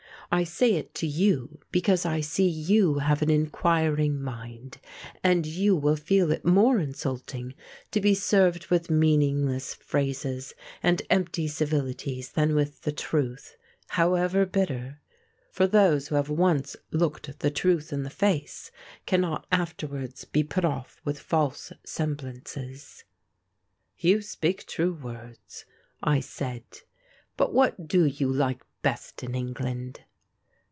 I say it to you because I see you have an inquiring mind, and you will feel it more insulting to be served with meaningless phrases and empty civilities than with the truth, however bitter. For those who have once looked the truth in the face cannot afterwards be put off with false semblances." "You speak true words," I said, "but what do you like best in England?"